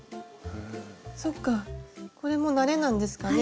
そっかこれも慣れなんですかね？